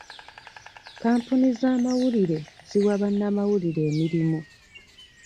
Kampuni z'amawulire ziwa bannamawulire emirimu.